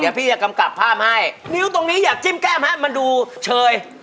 เดี๋ยวพี่จะกำกับภาพให้นิ้วตรงนี้อยากจิ้มแก้มให้มันดูเชย